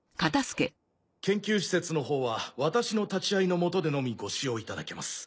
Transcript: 研究施設のほうは私の立ち会いのもとでのみご使用いただけます。